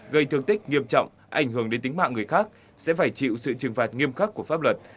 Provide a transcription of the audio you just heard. gây thương tích nghiêm trọng ảnh hưởng đến tính mạng người khác sẽ phải chịu sự trừng phạt nghiêm khắc của pháp luật